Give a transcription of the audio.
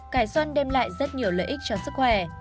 cải xoăn đem lại rất nhiều lợi ích cho sức khỏe